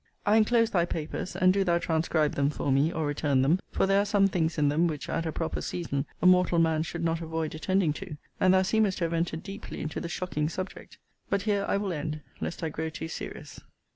I enclose thy papers; and do thou transcribe them for me, or return them; for there are some things in them, which, at a proper season, a mortal man should not avoid attending to; and thou seemest to have entered deeply into the shocking subject. But here I will end, lest I grow too serious.